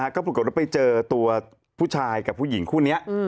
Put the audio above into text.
ก็ปรากฏว่าไปเจอตัวผู้ชายกับผู้หญิงคู่นี้